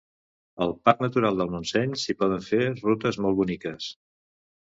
Al parc natural del Montseny s'hi poden fer rutes molt boniques